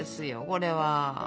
これは。